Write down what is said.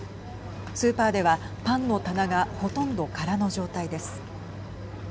スーパーでは、パンの棚がほとんど空の状態です。